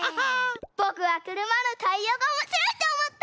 ぼくはくるまのタイヤがおもしろいとおもった！